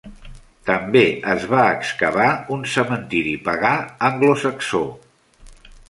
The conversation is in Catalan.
També es va excavar un cementiri pagà anglosaxó.